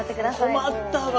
困ったわ。